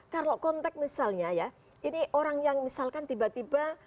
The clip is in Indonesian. kalau konteks misalnya ya ini orang yang misalkan tiba tiba